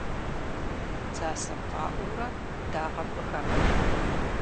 Дзасэм фӀаӀуурэ дагъэм къыхахыж.